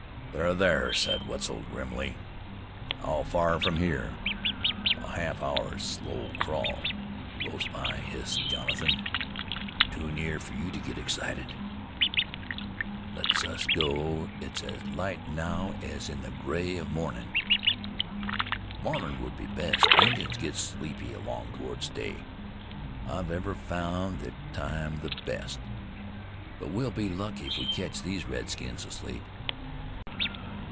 "They're thar," said Wetzel grimly. "How far from here?" "A half hour's slow crawl." "Close by?" hissed Jonathan. "Too near fer you to get excited." "Let us go; it's as light now as in the gray of mornin'." "Mornin' would be best. Injuns get sleepy along towards day. I've ever found thet time the best. But we'll be lucky if we ketch these redskins asleep."